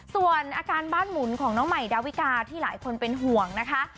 ส่วนอาการบ้านหมุนของน้องใหม่ดาวิกาที่หลายคนเป็นห่วงนะคะ